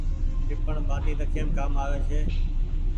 ٽيپڻ ٻآٽي رکيم ڪآم آوي ڇي ۔